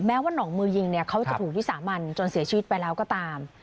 ว่าน่องมือยิงเนี่ยเขาจะถูกวิสามันจนเสียชีวิตไปแล้วก็ตาม